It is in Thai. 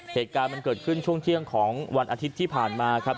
เหตุการณ์มันเกิดขึ้นช่วงเที่ยงของวันอาทิตย์ที่ผ่านมาครับ